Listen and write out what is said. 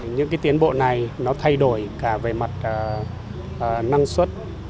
những tiến bộ này nó thay đổi cả về mặt năng suất